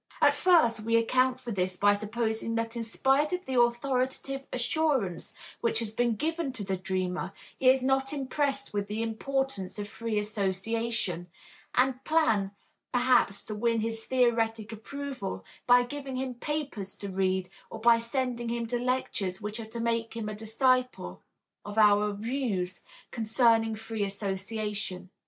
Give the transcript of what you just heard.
At first we account for this by supposing that in spite of the authoritative assurance which has been given to the dreamer, he is not impressed with the importance of free association, and plan perhaps to win his theoretic approval by giving him papers to read or by sending him to lectures which are to make him a disciple of our views concerning free association.